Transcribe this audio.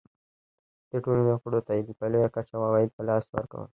دې ټولنو غړو ته یې په لویه کچه عواید په لاس ورکول.